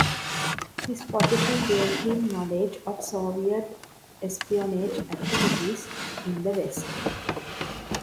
His position gave him knowledge of Soviet espionage activities in the West.